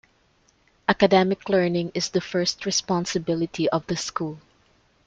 Academic learning is the first responsibility of the school.